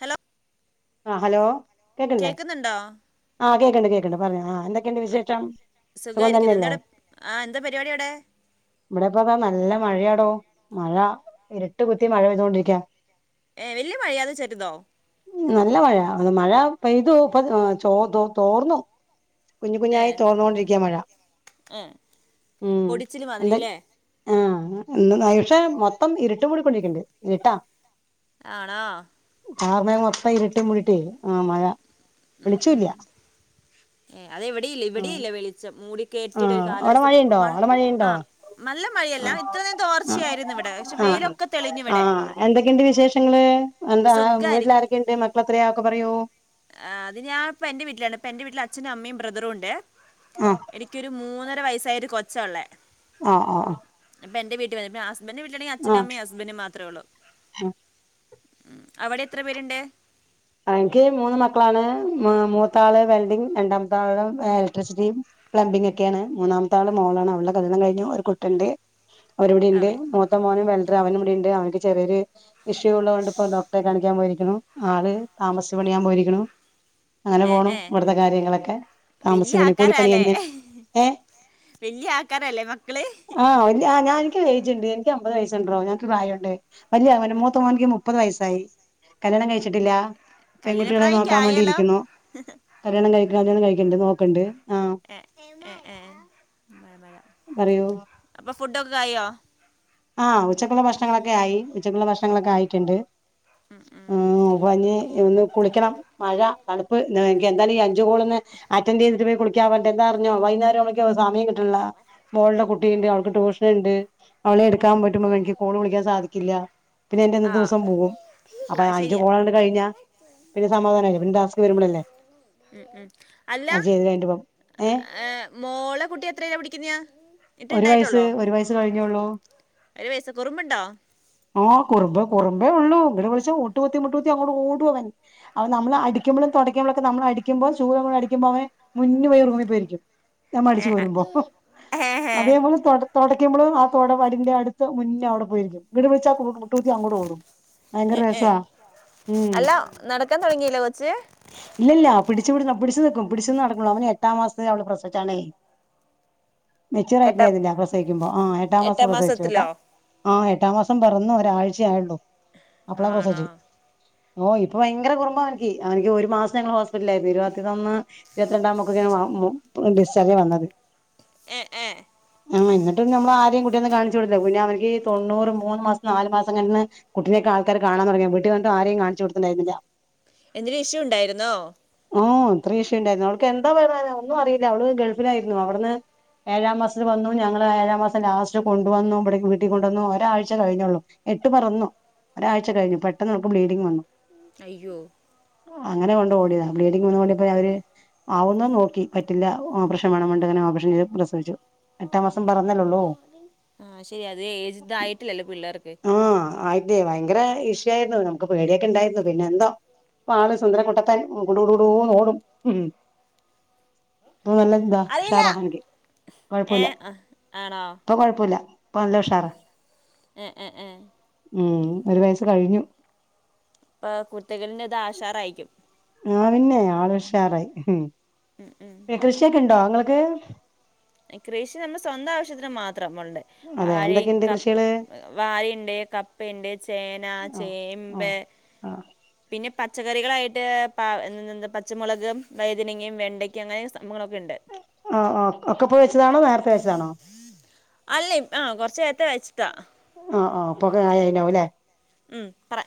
Hello. ആ hello കേക്കണ്ല്ലേ കേൾക്കുന്നുണ്ടോ ആഹ് കേക്ക്ണ്ട് കേക്ക്ണ്ട് പറി ആ. എന്തൊക്കെണ്ട് വിശേഷം സുഖമായിരിക്കുന്നു സുഖതന്നെയല്ലേ? എന്താടെ ആ എന്താ പരിപാടി അവിടെ ഇവിടെപ്പത നല്ല മഴയാടോ മഴ ഇരട്ട് കുത്തി മഴ പെയ്തൊണ്ടിരിക്ക. വല്ലിയ മഴായ ചേറുതോ? നല്ല മഴ അത് മഴ പെയ്തു ഇപ്പോ ചൊ തൊ തോർന്നു. കുഞ്ഞു കുഞ്ഞായി തോർന്നൊണ്ടിരിക്യാ മഴ. പൊടിച്ചില് മാതിരില്ലേ.? ന്ന് നായ്ഷേ മൊത്തം ഇരുട്ട് മൂടി കൊണ്ടിരിക്ക്ണ്ട് ഇരിട്ടാ. ആണോ.? ആർമേഘ മൊത്തം ഇരുട്ട് മുടീട്ടേ ആ മഴ. ഉം ഉം. വെളിച്ചൂല്ല ഏ അതെ ഇവിടെയില്ല ആഹ് ഇവിടെയില്ല വെളിച്ചം മൂടി കേട്ടിട്ടാ ഒരു ആഹ് അവിടെ കാലാവസ്ഥ മഴയുണ്ടോ മ അവിടെ ആ മഴയുണ്ടോ മ നല്ല മഴയല്ല ഇത്ര നെ ആഹ് തോർച്ചയായിരുന്നു ഇവിടെ പക്ഷെ ആഹ് ആഹ് വെയിലൊക്കെ തെളിഞ്ഞു ഇവിടെ. ആഹ് എന്തൊക്കെയുണ്ട് വിശേഷങ്ങള് എന്താ സുഖമായിരി വീട്ടില ആാരൊക്കെയുണ്ട് മക്കള എത്രയാ ഒക്കെ പറയു? അത് ഞാൻപ്പ എന്റെ വീട്ടിലാണ്. എന്റെ വീട്ടിൽപ്പ അച്ഛനും അമ്മയും ബ്രദറുണ്ടെ. ആഹ് എനിക്കൊരു മൂന്നര വയസായ ഒര് കൊച്ച ഒള്ളെ അ ആ ഹ അപ്പൊ എന്റെ വീട്ടിൽ വരും ഹസ്ബന്റെ വീട്ടിലാണെ അച്ഛനും അമ്മയും അസ്ബന്റും മാത്രേ ഒള്ളൂ ഉം അവിടെ എത്ര പേര്ണ്ട് അ എൻക്ക് മൂന്ന് മക്കളാണ് മ മൂത്താള് വെൽഡിങ്ങ് രണ്ടാമത്താള് എലക്ട്രിസിറ്റിം പ്ലംബിങ്ങൊക്കേണ് മൂന്നാമത്താള് മോളാണ് അവൾടെ കല്യാണം കഴിഞ്ഞു ഒരു കുട്ടിണ്ട് ആ അവരിവടെണ്ട് വെ- മൂത്ത മോന് വെൽഡ്റ് അവൻ ഇവിടെണ്ട് അവന്ക് ചെറിയൊരു ഷ് ഇഷ്യൂള്ളതോണ്ട്പ്പോ ഡോക്ടറെ കാണിക്കാൻ പോയേക്ക്ണു ആള് താമസിച്ച് പണിയാൻ പോയിരിക്ക്ണു അങ്ങനെ ഏ പോണു ഏ ഇവിടത്തെ കാര്യങ്ങളെക്കെ വലിയ താമസിച്ച് പണി കൂലിപ്പണിയന്നെയാണ് ഏ വല്യ ആൾക്കാരാല്ലേ മക്കള് ക്ക് ഏജ്ണ്ട് എൻക്ക് അമ്പത് വയസുണ്ടെടോ ഞങ്ങക്ക് പ്രായണ്ട് വല്യ മൂത്ത മോൻക് മുപ്പത് വയസ്സായി കല്യാണം കഴിച്ചിട്ടില്ല പെൺകുട്ടികളെ കല്യാണപ്രായമൊക്കെ നോക്കാൻ ആയാലോ വേണ്ടിയിരിക്കുന്നു കല്യാണം കഴി കല്യാണം കഴിക്ക്ണ്ട് നോക്ക്ണ്ട് ആഹ് ഏ ഏ ഏ മഴ മഴ പറയൂ അപ്പൊ ഫുഡൊക്കെകായോ ആഹ് ഉച്ചക്കുള്ള ഭക്ഷണങ്ങളൊക്കെ ആയി ഉച്ചക്കുള്ള ഭക്ഷണങ്ങളൊക്കെ ആയിട്ട്ണ്ട് ഉം ഉം ഉം പനി ഇന്ന് കുളിക്കണം മഴ തണുപ്പ് എനിക്ക് എന്തായാലും ഈ അഞ്ചുകോളൊന്ന് അറ്റൻഡ്യ്തിട്ട് പോയി കു [unintelligible] എന്താർഞ്ഞോ വൈന്നേരാവുമ്പേക്ക് സമയം കിട്ട്ണില്ല മോൾടെ കുട്ടിയ്ണ്ട് അവൾക്ക് ട്യൂഷന്ണ്ട് [unintelligible] പറ്റുമ്പ എനിക്ക് കോള് വിളിക്കാൻ സാധിക്കില്ല പിന്നെ ആ എന്റിന്നത്തൂസം പോകും അപ്പൊ അത് അഞ്ചു ശരിയാ കോളങ്ങട്ട് കഴിഞ്ഞ പിന്നെ സമാധാനയിലെ പിന്നെ ടാസ്ക് വര്മ്പളല്ലെ ഉം ഉം അല്ല ഏ ഏഹ് മോളെ കുട്ടി എത്രയില പഠിക്ക്ന്ന്യാ ഒരു വയസ്സ് ഒര് വയസ്സ് കഴിഞ്ഞൊള്ളൂ ഒര് വയസ് കുറുമ്പ്ണ്ടോ ആ കുറുമ്പ് കുറുമ്പേ ഒള്ളൂ ഇങ്ങട്ട് വിളിച്ച മുട്ടു കുത്തി മുട്ടു കുത്തി അങ്ങോട്ട് ഓടും അവൻ അവൻ നമ്മള് അടിക്ക്മ്പളും താെടക്ക്മ്പളും ഒക്കെ നമ്മള അടിക്കുമ്പോ ചൂലും കൊണ്ടടിക്കുമ്പോ അവന് മുന്നി പോയി റൂമി പോയിരിക്കും ഞമ്മ ഏ, അടിച്ച് ആ. വാരുമ്പോ ഏ, ഏ. അതേപോലെ തൊട തൊടക്കുമ്പളും ആ തൊട വ ടിന്റെ അട്ത്ത് മുന്നേ അവിടെ പോയിരിക്കും ഇങ്ങട്ട് വിളിച്ച കു മുട്ട് കുത്തി അങ്ങോട് ഓടും ഏ, ഭയങ്കര ഏ. രസാ ഉം അല്ല നടക്കാൻ തുടങ്ങിയില്ലേ കൊച്ച് ഇല്ല ഇല്ല പിടിച്ച പിടിച്ച പിടിച്ച് നിക്കും പിടിച്ച്ന്ന് നടക്കുള്ളൂ അവനെ എട്ടാം മാസത്തെ അവള് പ്രസവിച്ചാണെയ് മെച്വർ എട്ടാം ആയിട്ടുണ്ടായിന്നില പ്രസവിക്കുമ്പോ ആഹ് എട്ടാം മാസം പ്രസവിച്ചു കെട്ടാ ആഹ് എട്ടാം മാസ് പെറന്ന് ഒരാഴ്ചെയായെള്ളൂ അപ്പളാ ആണോ പ്രസവിച്ചെ ഓ ഇപ്പ ഭയങ്കര കുറുമ്പ അവനിക്ക് അവനിക്ക് ഒരു മാസം ഞങ്ങള് ഹോസ്പിറ്റൽലായിരുന്നു ഇര്പത്തിനൊന്ന് ഇര്പത്തിരണ്ടാമക്കെ [unintelligible] ഉം പ്പ ഡിസ്ചാർജ് ആ വന്നത് എ ഏ ആ എന്നിട്ടും നമ്മളാദ്യം കു കാണിച്ച് കൊട്ത്തില പിന്നെ അവൻക്ക് തൊണ്ണൂറ് മൂന്ന് മാസം നാല് മാസം കഴിഞ്ഞിട്ടാണ് കുട്ടിനെക്കെ ആൾക്കാ കാണാ തുടങ്ങിയത് വീട്ടി വന്നിട്ട് ആരേം കാൺച്ച് കൊട്ത്ത്ണ്ടായ്ര്ന്ന്ല എന്തേലും ഇഷ്യു ഉണ്ടായിര്ന്നോ ണ്ടായിര്ന്നു അവൾക്ക് എന്താ പറയ ഒന്നും അറിയില്ല അവള് ഗൾഫിലായിരുന്നു അവ്ട്ന്ന് ഏഴാം മാസത്തില് വന്നു ഞങ്ങള് ഏഴാം മാസം ലാസ് കൊണ്ട് വന്നു ഇവിടേക്ക് വീട്ടി കൊണ്ടന്നു ഒരാഴ്ച കഴിഞ്ഞൊള്ളൂ എട്ട് പെറന്നു ഒരാഴ് കഴിഞ്ഞു പെട്ടെന്നോൾക്ക് ബ്ലീഡിങ് വന്നു അയ്യോ അങ്ങനെ കൊണ്ട് ഓടിയതാ ബ്ലീഡിങ്ങ് വന്നതോണ്ട് ഇപ്പ അവര് ആവുന്നത് നോക്കി പറ്റില്ല ഓപ്പറേഷൻ വേണം പർനിട്ട്ങ്ങനെ ഓപ്പറേഷൻ ചെയ്ത് പ്രസവിച്ചു എട്ടാം മാസം പെറന്നല്ലെ ഒള്ളൂ ആഹ് ശെരി അത് ഏജ് ഇതായിട്ടില്ലല്ലോ പിള്ളേർക്ക് അതെ ഭയങ്കര ഇഷ്യൂ ആയിരുന്നു നമുക്ക് പേടിയൊക്കെ ഉണ്ടായിരുന്നു പിന്നെ എന്തോ ഇപ്പൊ ആള് സുന്ദരകുട്ടപ്പൻ കുടു കുടു കുടൂ ന്ന് ഓടും ഇപ്പൊ നല്ല ഇതാ അറിയില്ല ഉഷാറാ അവന്ക് ഏ കൊഴപ്പല്ല ആ ആണോ [unintelligible] ഇപ്പൊ കൊഴപ്പല്ല നല്ല ഉഷാറ ഏ ഏ ഏ ഉം ഒരു വയസ് കഴിഞ്ഞു ഇപ്പൊ കുര്ത്തകേടിന് ഇതാ ഉഷാറായിരിക്കും ആ പിന്നെ ആൾ ഉഷാറായി ഉം ഉം ട്ടോ ഇങ്ങള്ക്ക് കൃഷി നമ്മുടെ സ്വന്തം ആവശ്യത്തിന് മാത്രംമുണ്ട് അതെ വാഴേം എന്തൊക്കെയുണ്ട് ക കൃഷികള് വാഴയെണ്ട് കപ്പയെണ്ട് ചേന ആ ആ ചേമ്പ് ആ പിന്നെ പച്ചക്കറികളായിട്ട് പ എന്ന്ന്ന്ന്ത് പച്ചമുളക് വഴുതനങ്ങയും വെണ്ടയ്ക്കയും അങ്ങനെ സംഭങ്ങളൊക്കെണ്ട് ആ ആ ഒക്കെപ്പൊ വെച്ചതാണോ നേരത്തെ വെച്ചതാണോ അല്ല ആ കൊറച്ചു നേരത്തെ വെച്ചു താ ആ ആ ഇപ്പൊ കായായിണ്ടാവുംല്ലേ മ് പറ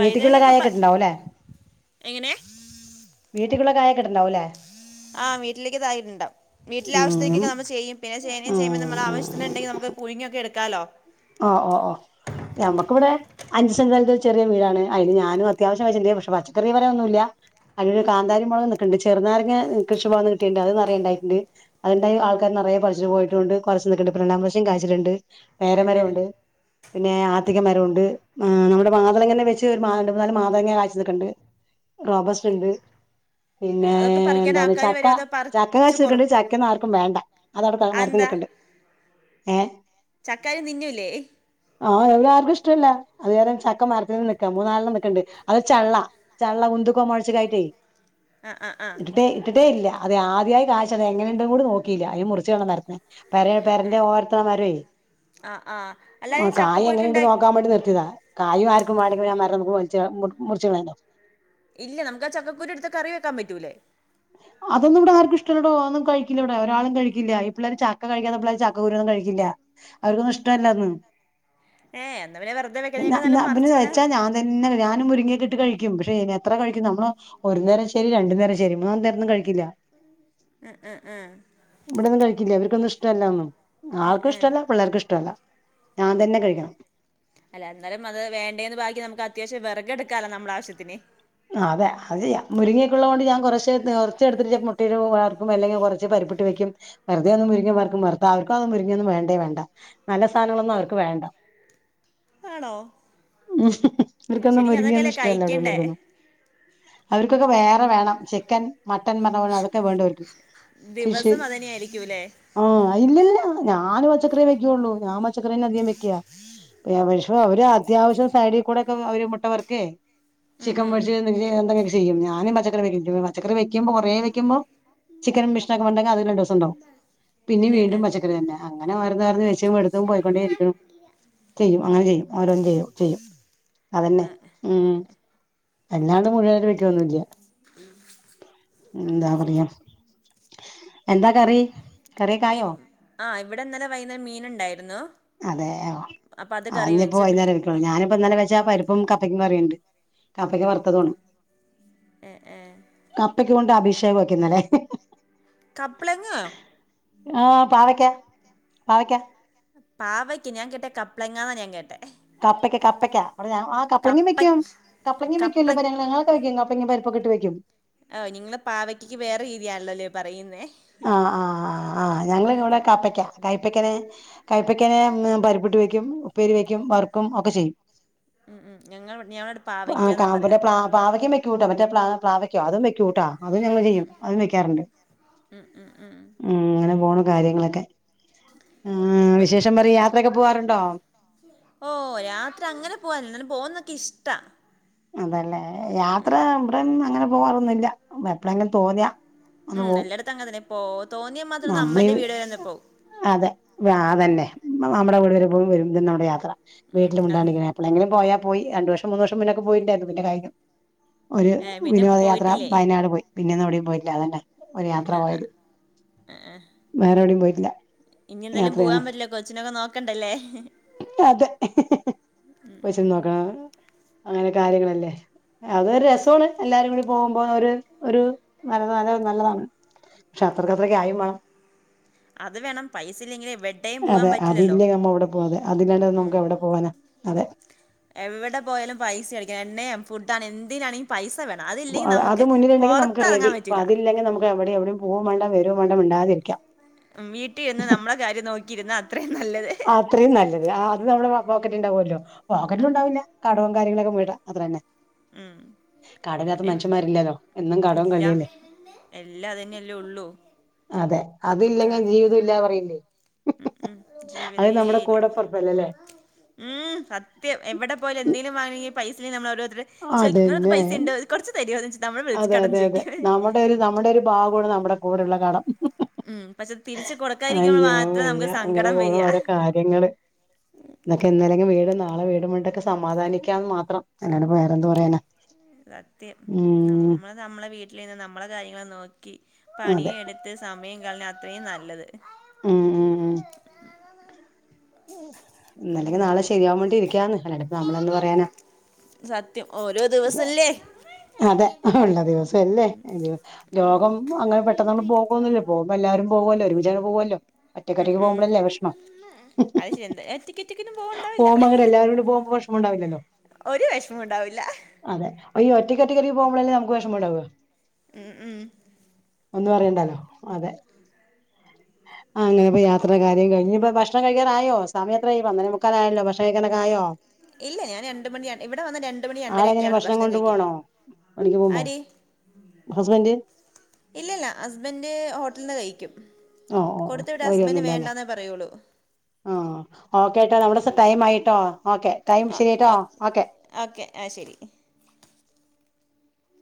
വഴുതനങ്ങയൊക്കെ പ ണ്ടാവൂലെ എങ്ങനെ വീട്ടിക്കുള്ള കായ കിട്ടുണ്ടാവുല്ലെ ആ വീട്ടിലേക്ക്തായിട്ടുണ്ടാവും വീട്ടിലെ ആവശ്യത്തേക്ക് ഉം ഉം നമ്മള് ചെയ്യും പിന്നെ ചേനയും ചേമ്പും നമ്മള് ആവശ്യത്തിനുണ്ടങ്കിൽ നമ്മുക്ക് പുഴുങ്ങിയൊക്കെ എടുക്കാലോ ഒ ഒ ഓ നമുക്കിവിടെ അഞ്ച് സെന്റിലൊരു ചെറിയ വീടാണ് അതിന് ഞാനും അത്യാവശ്യം വച്ചിട്ടുണ്ട് പക്ഷെ പച്ചക്കറി ന്ന് പറയാൻ ഒന്നുല്ല അതില് കാന്താരി മൊളക്ന്ന് ചെറുനാരങ്ങ കൃഷിഭവന്ന് കിട്ടിട്ടുണ്ട് അത് നിറയെ ഇണ്ടായിട്ടുണ്ട് അത് ണ്ടായ ആൾക്കാര് നിറയെ പറിച്ചു പോയിട്ടൊണ്ട് കൊറ ശ് ചെയ്തിട്ടുണ്ട് പ്പം രണ്ടാം കൊല്ലം കായ്ച്ചിട്ടുണ്ട് [unintelligible] എ എ ഏ പേരമരമുണ്ട് പിന്നെ ആത്തിക്ക മരവൊണ്ട് നമ്മുടെ മാതളങ്ങനെ വെച്ച് റ്റ് മാണ്ടവ് കാലം മാതളങ്ങ കായ്ച്ച് നിക്കണ്ട് റോബസറ്റയിണ്ട് ഏഹ് പിന്നെ അതൊക്കെ പറിക്കാൻ എന്താണ് ആൾക്കാര് ചക്ക വരോ അതോ ചക്ക പറിച്ച് കാശ്ച് കൊറു നിക്കണ്ട് ചക്കയൊന്നും ആർക്കും വേണ്ട അത്അവിടെ മരത്തി നിക്കണ്ട് ഏ ചക്കാരും തിന്നുല്ലേ ആ ഇവിടെ ആർക്കും ഇഷ്ടയില്ല അത് വരെ ചക്കമരത്തില് നിക്ക മൂന്നാലണം നിക്കണ്ട് അത് ചള്ള ചള്ള കു മുന്തുക്കോ മൊഴച്ച്തായിട്ടേ ആഹ് ആഹ് ആഹ് ഇട്ടിട്ടേ ഇട്ടിട്ടേ ഇല്ല അത് ആദ്യായി കായ്ച്ചതെങ്ങനെയെണ്ട്ന്ന് കൂടി നോക്കിയില്ല അയിന് മുറിച്ച് വേണം നെരത്താൻ പെരേ ഏഹ് പെരേന്റെ ഏഹ് ഓരത്താമരേ ആഹ് ആഹ് അല്ലാതെ ആ ഈ കായ് ചക്കപ്പുഴുക്ക് എങ്ങനെണ്ട് ഇണ്ടാ നോക്കാൻ വേണ്ടി നിർത്തിയതാ കായും ആർക്കും വേണ്ടെങ്കിൽ പിന്നെ ആ മരം മുക്ക് വലിച്ച മുറിച്ച് കളയാലോ ഇല്ല നമുക്ക് ആ ചക്കക്കുരു എടുത്ത് കറി വെക്കാൻ പറ്റൂലേ അതൊന്നും ഇവിടെ ആർക്കും ഇഷ്ടല്ല ഡോ ഒന്നും കഴിക്കില്ലവിടെ ഒരാളും കഴിക്കില്ല പിള്ളേര് ചക്ക കഴിക്കാതെ പിള്ളേര് ചക്കകുരുവൊന്നും കഴി ക്കില്ല അവർക്കൊന്നും ഇഷ്ടല്ലന്ന് ഏഹ് എന്നാ പിന്നെ വെറുതെ ഞാ വെക്കുന്നതിനേക്കാൾ ഞാ നല്ലത് പിന്നെ മറിച്ച് കളയാ വെച്ചാ ഞാൻ തന്നെ ഞാനും മുരിങ്ങക്കെ ഇട്ട് കഴി ക്കും പക്ഷെ എത്ര കഴിക്കും നമ്മള് ഒരു നേരം ശരി രണ്ടു നേരം ശരി മൂന്ന് നേരൊന്നും കഴിക്കില്ല ഏഹ് ഏഹ് ഏഹ് ഇവിടൊന്നും കഴിക്കില്ല അവർക്കൊന്നും ഇഷ്ടല്ല ഒന്നും ഏഹ് ആൾക്കും ഏഹ് ഇഷ്ടമല്ല പിള്ളേർക്കും ഇഷ്ടമല്ല ഞാൻ തന്നെ കഴിക്കണം അല്ല എന്നാലും അത് വേണ്ടേന്ന് ബാക്കി നമുക്ക് അത്യാവശ്യം വിറകെടുക്കാലോ നമ്മളാവശ്യത്തിന് ആ അതെ അത് ചെയ്യാ മുരുങ്ങക്കുള്ളതുകൊണ്ട് ഞാൻ കുറെശ്ശെ കൊറച്ച് എടുത്തിട്ട് മുട്ടയില്വറക്കും അല്ലെങ്കി കൊറച്ച് പരിപ്പിട്ട് വെക്കും വെറുതെയങ്ങ് മുരിങ്ങ വറക്കും വറുത്ത അവർക്കും അതൊ ന്നും വേണ്ടേ വേണ്ട നല്ല സാധനങ്ങളൊന്നും അവർക്ക് വേണ്ട ആണോ ഉം ഇവർക്കൊന്നും ശരിക്കും അതൊക്കെയല്ലേ മുരിങ്ങയൊന്നും ഇഷ്ടല്ല കഴിക്കണ്ടേ ഇവിടെയുള്ളോർക്കൊന്നും അവർക്കൊക്കെ വേറെ വേണം ചിക്കൻ മട്ടൻപറഞ്ഞോണം അതൊക്കെ വേണ്ടേ ഫിഷ് ദിവസം അതന്നെയായിരിക്കൂല്ലേ [unintelligible] ഓ ഇല്ലില്ല ഞാൻ പച്ചക്കറിയെ വെക്കുള്ളൂ ഞാൻ പച്ചക്കറിനെ അധികം വെക്കാ വിഷം അവര് അത്യാവശ്യം സൈഡിൽ കൂടൊക്കെ അവര് മുട്ടവർക്കേ ഉം ക്കാൻ ഉം പൊരിച്ചത് ഇന്ന് [unintelligible] വകയാ ത്തിയും ഞാനും പച്ചക്കറി വെക്കും പച്ചക്കറി വെക്കുമ്പോ കൊറേ വെക്കുമ്പോ ചിക്കൻ [unintelligible] ഒണ്ടെങ്കി അത് രണ്ടോസംണ്ടാവും പിന്നെ ഏഹ് വീണ്ടും ഏഹ് പച്ചക്കറി തന്നെ അങ്ങനെ അറിഞ്ഞ് അറിഞ്ഞ് വെച്ചും എടുത്തും പോയിക്കൊണ്ടേ ഇരിക്കും ചെയ്യും അങ്ങനെ ചെയ്യും ആരേന്തോ ചെയ്യും അതന്നെ ആഹ് മ അല്ലാണ്ട് മുരിങ്ങെല വെക്കൊന്നുല്ല ന്താ പറയാ എന്താ കറി ഇ കറിയൊക്കായോ ആഇവിടെ ന്നലെ വൈകുന്നേരം മീനിണ്ടായിരുന്നു അതെയൊ ആ ഞ്ഞിപ്പോ പിന്നെ വൈന്നേരം വിളിക്കൊള്ളു ഞാനിപ്പോ ഇന്നലെ വെച്ചാ പരിപ്പും കപ്പയ്ക്കും കറിണ്ട് കപ്പക്ക വറുത്തതാണ് ഏഹ് ഏഹ് കപ്പക്ക കൊണ്ട് അഭിഷേകം വെക്കുന്നല്ലേ കപ്പ്ളങ്ങയോ ആ പാവക്ക പാവക്ക പാവക്കെ ഞാൻ കേട്ടെ കപ്പ്ളങ്ങാ ന്നാ ഞാൻ കേട്ടെ കപ്പക്ക കപ്പക്ക വടെ ഞാ ആ കപ്പങ്ങിം കപ്പ വെക്കും കപ്പങ്ങിം കപ്പ്ള വെക്കല്ലോ പല ഞങ്ങളാ കപ്പങ്ങിം പരിപ്പ് പ്പൊക്കിട്ട് വെക്കും ഓ നിങ്ങള് പാവക്കക്ക് വേറെ രീതിയാണല്ലൊലെ പറയുന്നേ ആ ആ ആ ആഹ് ഞങ്ങളിവിടെ ഞാ കാപ്പക്ക കയ്പ്പക്കനെ കൈപ്പക്കനെ മ് പരിപ്പിട്ട് വെക്കും ഉപ്പേരി വെക്കും വർക്കും ഒക്കെ ചെയ്യും ഉം ഉം ഞങ്ങള്‌വ്ട് ഞാവട് പാവയ്ക്കാന്നാ പറയാ പ്ലാവ് പാവക്ക അതു വെക്കൂട്ടൊ അതും ഞങ്ങള് ചെയ്യും അതും വെക്കാറുണ്ട് ഉം ഉം ഉം ങ്ങനെ പോണ് കാര്യങ്ങളൊക്കെ ഉം ഇപ്പ വിശേഷം പറയ് യാത്രയൊക്കെ പോവാറുണ്ടോ? ഓ രാത്രി അങ്ങനെ പോയൽ ന്നാലും പോവ്ന്ന്ക്ക് ക്കിഷ്ട അതല്ലേ യാത്ര ബ്ടെന്നു അങ്ങനെ പോവാറൊന്നുല്ല എപ്പളെങ്കിലും തോന്നിയാ ഒന്ന് ഉം പോവും എല്ലായ്ടത്തു അങ്ങൻ തന്നെ പോ തോന്നിയാൽ മാത്രം ഒന്ന് നമ്മളീ അമ്മന്റെ വീട് വരെ ഒന്ന് പോവും അതെ വാവല്ലെ നമ്മടെ വീട് വരെ മോൻ വരുമ്പൊരു നട യാത്ര ഉം വീട്ടില് അത് മുണ്ടാണ്ടിങ്ങനെ എപ്പളേങ്കിലും പോയാ പോയി രണ്ടു വർഷം മൂന്ന് വർഷ് മ്മിനൊക്കെ പോയിണ്ടായിരുന്നു പിന്നെ കായികം ഒരു ഏ പിന്നെ വിനോദയാത്ര പോയിട്ടില്ലേ വയനാട് പോയ് പിന്നെന്നും എവ്ടീം പോയിറ്റില്ല അതെന്നെ ഒരു യാത്ര ആ ആ പോയത് വേറെ എവിടിം പോയ്റ്റില്ല ഇനി എന്തായാലും പോവാൻ പറ്റില്ല കൊച്ചിനൊക്കെ നോക്കണ്ടല്ലേ അതെ കൊച്ചിനെ നോക്കണം അങ്ങനെ കാര്യങ്ങളല്ലേ അതൊരു രസാണ് എല്ലാരും കൂടി പോവുമ്പോ ഒരു ഒരു നല്ല നല്ല നല്ലതാണ് ക്ഷെ അത്രക്കത്ര കായിം വാണം അത് വേണം പൈസ ഇല്ലെങ്കിൽ എവടേം പോവാൻ പറ്റില്ലല്ലോ അതിലാണ്ട നമുക്ക് എവിടെ പോവാനാ അതെ എവ്വടെ പോയാലും പൈസ അടിക്ക എണ്ണെം ഫുഡാണ് എന്തിനാണിം പൈസ് വ അ അത് മുന്നില്ണ്ടെങ്കി നമുക്ക് റെഡി പ്പ പറ്റില്ല അതില്ലെങ്കി നമുക്ക് എവിടി എവിടിം പോവും വേണ്ട വെ രും വാണ്ട മുണ്ടാതിരിക്ക ഉം വീട്ടീര്ന്ന് നമ്മള കാര്യം നോക്കിയിര്ന്ന അത്രീം നല്ലത് [unintelligible] ണ്ടാവൊല്ലോ ആ, പോക്കറ്റ്ല് ഉണ്ടാവൂല കടോം കാര്യങ്ങളൊക്കെ വീട്ടാ അതിനന്നെ ഉം എം എന്നും കടവും ഇല്ല കളിയല്ലേ എല്ലാതന്നെല്ലേ ഉള്ളു അതെ അതില്ലെങ്കി ജീവിത ഇല്ലാ പറയില്ലേ ഉം ഉം അത് ജീവിതേ നമ്മുടെ ഇല്ല കൂടപ്പറപ്പല്ലെലെ ഉം സത്യം എവടെ പോയാലു എന്തെലും വാങ്ങിയും പൈസല്ലെയ് നമ്മൾ ഓരോര്‌ത്തര് ചൊയ്ക് ങ്ങളട്ത്ത് അതന്നെ പൈസിണ്ടൊ കൊർച്ച് തരോ ന്ന് ച്ച് അതെ അതെ അതെ നമ്മുടെ ഒരു നമ്മുടെ ഒരു ഭാഗവാണ് നമ്മുടെ കൂടെള്ള കടം ഉം പക്ഷെ തിരിച്ച് കൊടുക്കാതിരിക്കുമ്പോൾ അയ്യോ മാത്രം വയ്യ നമുക്ക് അങ്ങനെ സങ്കടം പോണ് വരിക ഓരോ കാര്യങ്ങള് ന്നെക്കെ ഇന്നല്ലെങ്കിം വീട് നാളെ വീടും പർണ്‌ട്ടൊക്കെ സമാധാനിക്കാന്ന് മാത്രം എല്ലാണ്ടപ്പൊ വേറെന്തു പറയാന സത്യം നമ്മള് നമ്മളെ വീട്ടിൽ നിന്ന് നമ്മളെ കാര്യങ്ങള് നോ ക്കി അതെ പണിയെട്ത്ത് സമയം കൾണ അത്രീം നല്ലത് ഉം ഉം ഉം ഇന്നല്ലെങ്കിൽ നാളെ വെല്ലറങ്ങ ശരിയാവാൻ വേണ്ടി ഇരിക്കാന്ന് അല്ലാണ്ടപ്പ നമ്മൾ എന്ത് പറയാനാ സത്യം ഓരോ ദിവസല്ലേ അതെ ഒള്ള ദിവസല്ലേ [unintelligible] ഉം രോഗം അങ്ങനെ പെട്ടെന്നങ്ങ് പോകൊന്നുല്ല പോമ്പെല്ല ല്ലാരും പോവല്ലെ ഒരുമിച്ചങ്ങ് പോവല്ലോ ഉം ഒറ്റക്കൊറ്റക്ക് ഉം പോവുമ്പളല്ലേ വെഷ്മം അത് ശരി എന്താ ടിക്കറ്റിനും പോവുമ്പോ പോകണ്ടാവില്ല അങ്ങട് എല്ലാരും കൂടെ പോമ്പോ വെഷ്മണ്ടാവൂലല്ലൊ ഒരു വെഷ്മോണ്ടാവില്ല അയ്യൊ ഒറ്റക്കൊറ്റക്ക് പോകുമ്പളല്ലേ നമുക്ക് വെഷമണ്ടാവ ഉം ഉം. ന്ന് പറയണ്ടല്ലോ അതെ. ആ അങ്ങനെ ഇപ്പോ യാത്ര കാര്യം കഴിഞ്ഞ് ഇപ്പോ ഭക്ഷണം കഴിക്കൻ ആയോ സമയെത്രായി പന്ത്രണ്ടേ മുക്കാലായല്ലോ ഭക്ഷണം കഴിക്കാനൊക്കായോ? ഇല്ല ഞാ രണ്ട് മണി ഇവിടെ വന്ന രണ്ട് മണി ആളെങ്ങനെ രണ്ടരൊക്കെയാണ് ഭക്ഷണം കൊണ്ടു കഴിക്കല് പോവാണോ പണിക്ക് പോവുമ്പോ ആര് ഇല്ലല്ല ഹസ്ബൻന്റ് ഹോട്ടല്ന്ന് കഴി ഓ ഓ ഓ വരൊന്നുല്ലല്ലെ. വേണ്ടാന്നേ പറയുള്ളൂ ആ ഓ കേട്ടാ നമ്മടെ സ ടൈം ആയിട്ടോ ഓക്കെ ടൈം ശരിയായിട്ടോ, ആ ഓക്കെ. ഓക്കെ ആ ശരി